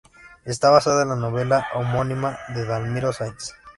Está basada en la novela homónima de Dalmiro Sáenz.